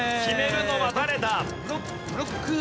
決めるのは誰だ？